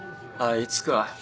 あいつか。